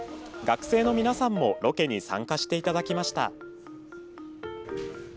学生の皆さんもロケに参加していただきました。